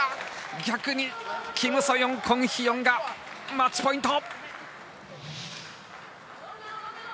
逆にキム・ソヨン、コン・ヒヨンがマッチポイント。